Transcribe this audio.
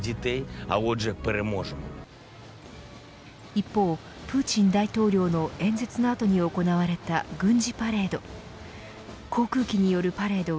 一方プーチン大統領の演説の後に行われた軍事パレード。